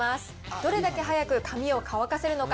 どれだけ早く髪を乾かせるのか。